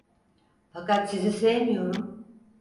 Fakat sizi sevmiyorum.